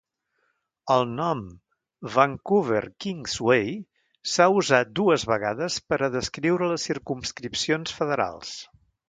El nom "Vancouver Kingsway" s'ha usat dues vegades per a descriure les circumscripcions federals.